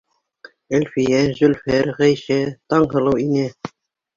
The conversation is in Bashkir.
Әлфиә, Зөлфәр, Ғәйшә, Таңһылыу инә.